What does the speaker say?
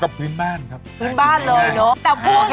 เค้าก็พื้นบ้านครับพื้นบ้านดู